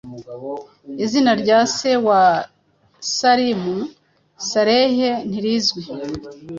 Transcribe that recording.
Izina rya se wa Salim Saleh ntirizwi